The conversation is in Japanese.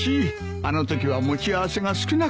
あのときは持ち合わせが少なくて。